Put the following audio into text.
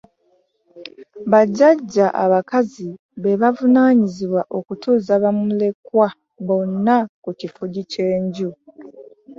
Bajajja abakazi be bavunaanyizibwa okutuuza bamulekwa bonna ku kifugi ky’enju.